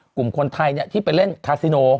กลุ่มคนไทยที่ไปเล่นคาซิโน